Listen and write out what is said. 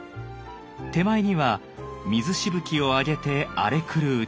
手前には水しぶきを上げて荒れ狂う巨大な波。